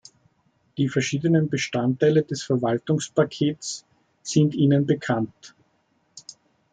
Die verschiedenen Bestandteile des Verwaltungs-Pakets sind Ihnen bekannt.